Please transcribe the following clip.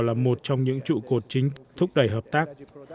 là một trong những trụ cột chính thúc đẩy hợp tác